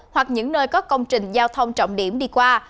hoặc những nơi có công trình giao thông trọng điểm đi qua